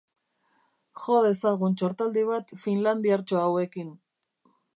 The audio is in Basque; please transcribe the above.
Jo dezagun txortaldi bat finlandiartxo hauekin.